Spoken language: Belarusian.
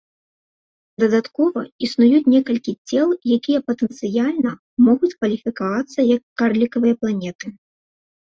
Дадаткова, існуюць некалькі цел, якія патэнцыяльна могуць кваліфікавацца як карлікавыя планеты.